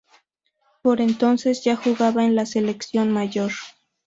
Por entonces ya jugaba en la selección mayor.